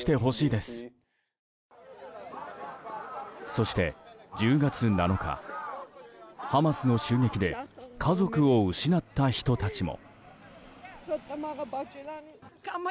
そして、１０月７日ハマスの襲撃で家族を失った人たちも。